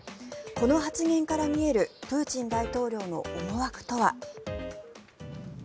この発言から見えるプーチン大統領の思惑とは。